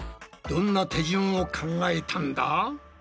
どんな手順を考えたんだ？